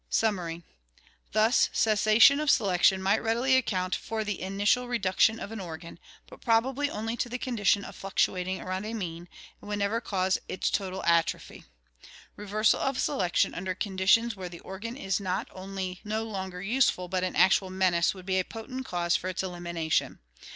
Summary. — Thus cessation of selection might readily account for the initial reduction of an organ, but probably only to the condition of fluctuating around a mean, and would never cause its total atrophy. Reversal of selection under conditions where the organ is not only no longer useful but an actual menace would be a potent cause for its elimination.